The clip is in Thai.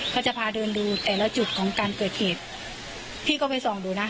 เขาจะพาเดินดูแต่ละจุดของการเกิดเหตุพี่ก็ไปส่องดูนะ